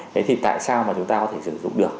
thế thì tại sao mà chúng ta có thể sử dụng được